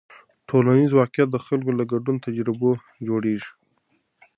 ټولنیز واقیعت د خلکو له ګډو تجربو جوړېږي.